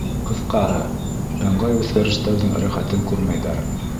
Ҡыҫҡаһы, ыңғай үҙгәрештәрҙең рәхәтен күрмәйҙәр.